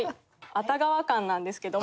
熱川館なんですけども。